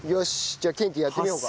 じゃあケンティーやってみようか。